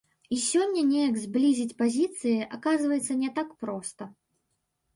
І сёння неяк зблізіць пазіцыі, аказваецца, не так проста.